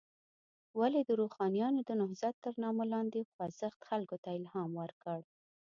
ولې د روښانیانو د نهضت تر نامه لاندې خوځښت خلکو ته الهام ورکړ.